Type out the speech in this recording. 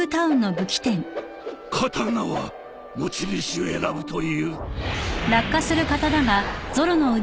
刀は持ち主を選ぶという